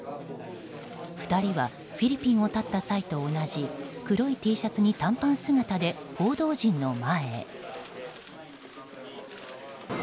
２人はフィリピンを経った際と同じ黒いＴシャツに短パン姿で報道陣の前へ。